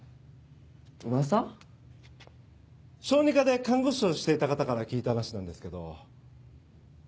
小児科で看護師をしていた方から聞いた話なんですけど。